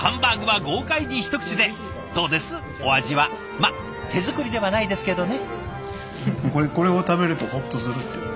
まあ手作りではないですけどね。